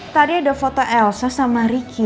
tadi ada foto elsa sama ricky